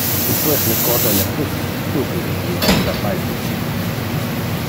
Isto es le cosa le plus stupide que io ha jammais dicite.